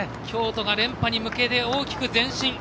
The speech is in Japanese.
京都が連覇に向けて大きく前進。